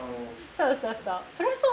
そうそうそう。